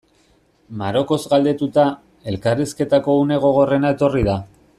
Marokoz galdetuta, elkarrizketako une gogorrena etorri da.